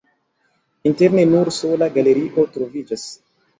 Interne nur sola galerio troviĝas.